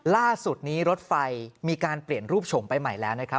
ล่าสุดนี้รถไฟมีการเปลี่ยนรูปโฉมไปใหม่แล้วนะครับ